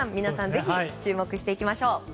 ぜひ注目していきましょう。